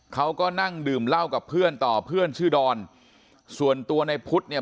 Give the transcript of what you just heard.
เขาก็นั่งดื่มเหล้ากับเพื่อนต่อเพื่อนชื่อดอนส่วนตัวในพุทธเนี่ย